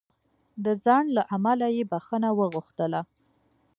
د ځنډ له امله یې بخښنه وغوښتله.